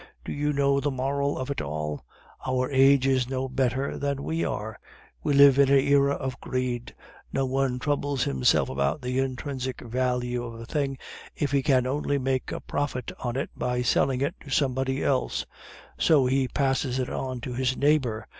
Do you know the moral of it all? Our age is no better than we are; we live in an era of greed; no one troubles himself about the intrinsic value of a thing if he can only make a profit on it by selling it to somebody else; so he passes it on to his neighbor.